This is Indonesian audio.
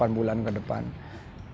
partai demokrat akan menjadi bagian koalisi